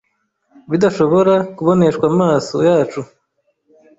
bidashobora kuboneshwa amaso yacu